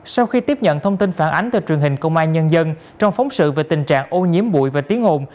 sau khi tiếp nhận thông tin phản ánh từ truyền hình công an nhân dân trong phóng sự về tình trạng ô nhiễm bụi và tiếng ồn